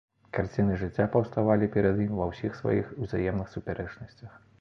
Карціны жыцця паўставалі перад ім ва ўсіх сваіх узаемных супярэчнасцях.